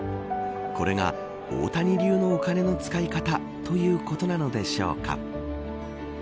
これが大谷流のお金の使い方ということなのでしょうか。